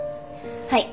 はい。